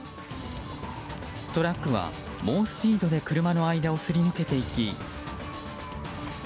トラックは猛スピードで車の間をすり抜けていき。